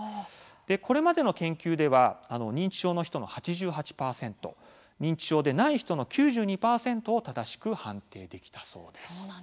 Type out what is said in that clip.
これまでの研究では認知症の人の８８％認知症でない人の９２％を正しく判定できたそうなんです。